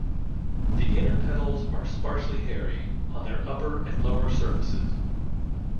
The inner petals are sparsely hairy on their upper and lower surfaces.